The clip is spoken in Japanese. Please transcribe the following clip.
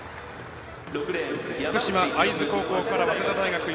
福島会津高校から早稲田大学